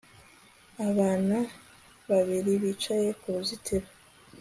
abana babiri bicaye ku ruzitiro